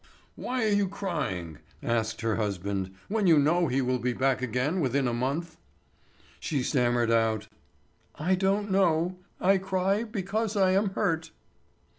"Why are you crying?" asked her husband, "when you know he will be back again within a month." She stammered out: "I don't know; I cry because I am hurt."